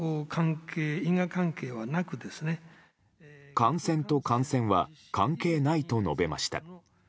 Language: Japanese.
観戦と感染は関係ないと述べました。